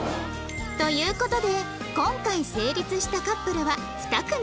という事で今回成立したカップルは２組